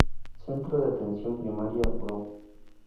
Centro de Atención Primaria Bo.